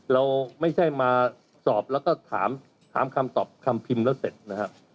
เราไม่ใช่มาสอบแล้วก็ถามคำตอบคำพิมพ์แล้วเสร็จนะครับ